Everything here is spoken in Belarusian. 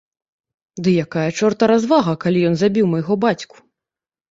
Ды якая чорта развага, калі ён забіў майго бацьку!